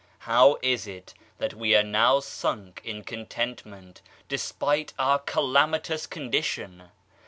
How is it that we are now sunk in contentment, despite our calamitous con dition?